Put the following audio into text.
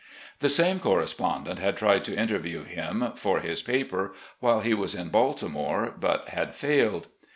The same correspondent had tried to interview him, for his paper, while he was in Baltimore, but had failed.